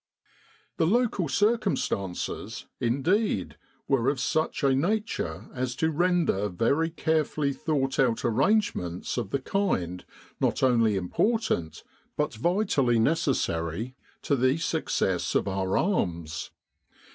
The local circumstances, indeed, were of such a nature as to render very carefully thought out arrangements of the kind not only important, but vitally necessary, to the success of our arms.